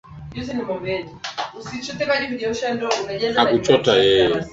muziki yakiwa yamesalia majuma machache kabla ya raia wa nchini sudan hawaja